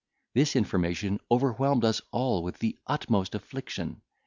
This information overwhelmed us all with the utmost affliction.